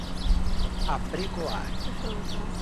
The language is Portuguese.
apregoar